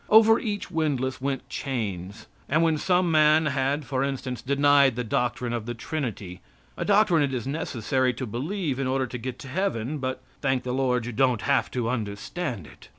Over each windlass went chains, and when some man had, for instance, denied the doctrine of the trinity, a doctrine it is necessary to believe in order to get to Heaven but, thank the Lord, you don't have to understand it.